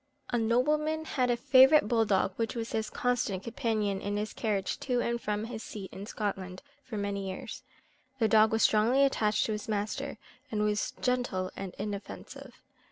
A nobleman had a favourite bull dog, which was his constant companion in his carriage to and from his seat in Scotland for many years. The dog was strongly attached to his master, and was gentle and inoffensive.